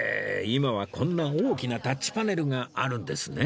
今はこんな大きなタッチパネルがあるんですね